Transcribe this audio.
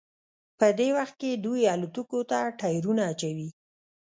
په دې وخت کې دوی الوتکو ته ټیرونه اچوي